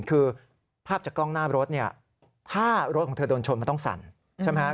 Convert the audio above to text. คือภาพจากกล้องหน้ารถเนี่ยถ้ารถของเธอโดนชนมันต้องสั่นใช่ไหมครับ